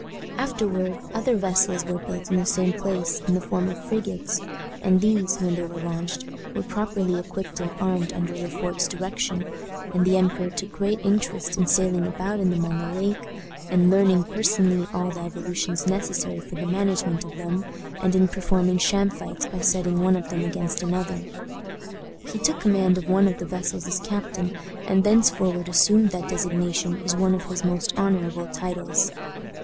Afterward other vessels were built in the same place, in the form of frigates; and these, when they were launched, were properly equipped and armed, under Le Fort's direction, and the emperor took great interest in sailing about in them on the lake, in learning personally all the evolutions necessary for the management of them, and in performing sham fights by setting one of them against another. He took command of one of the vessels as captain, and thenceforward assumed that designation as one of his most honorable titles.